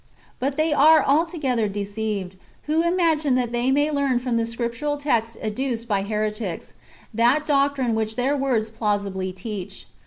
But they are altogether deceived, who imagine that they may learn from the scriptural texts ad duced by heretics, that [doctrine] which their words plausibly teach.